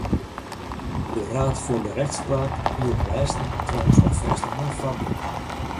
De Raad voor de Rechtspraak joech lêsten trouwens alfêst in moai foarbyld.